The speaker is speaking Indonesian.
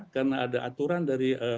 karena ada aturan dari